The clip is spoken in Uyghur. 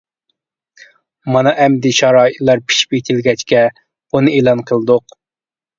مانا ئەمدى شارائىتلار پىشىپ يېتىلگەچكە بۇنى ئېلان قىلدۇق.